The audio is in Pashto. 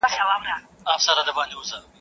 نر او ښځو به نارې وهلې خدایه.